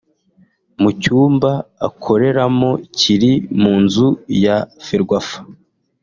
mu cyumba akoreramo kiri mu nzu ya Ferwafa